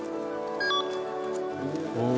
おお。